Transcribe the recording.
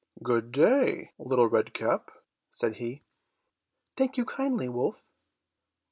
"Good day, Little Red Cap," said he. "Thank you kindly, wolf."